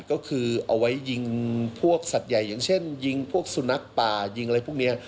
ก็คือเอาไว้ยิงพวกสัตว์ใหญ่อย่างเช่นยิงพวกสุนัขป่ายิงอะไรพวกนี้